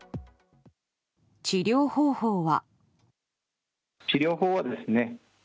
治療方法は？